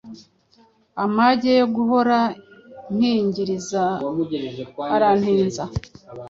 Amage yo guhora mpingiriza arantinza.